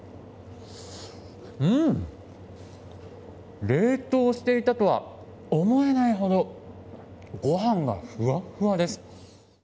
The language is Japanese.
うん！冷凍していたとは思えないほどごはんがふわっふわです。